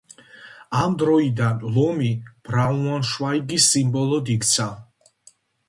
ამ დროიდან ლომი ბრაუნშვაიგის სიმბოლოდ იქცა.